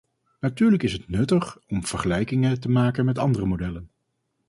Natuurlijk is het nuttig om vergelijkingen te maken met andere modellen.